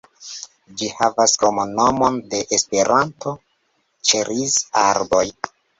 Ĝi havas kromnomon de Esperanto, "Ĉeriz-arboj".